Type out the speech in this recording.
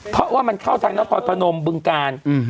เพราะว่ามันเข้าทางนครพนมบึงกาล